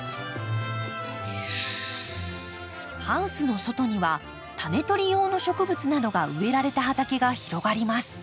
ハウスの外にはタネとり用の植物などが植えられた畑が広がります。